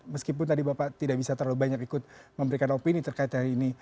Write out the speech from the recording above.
meskipun tadi bapak tidak bisa terlalu banyak ikut memberikan opini terkait hari ini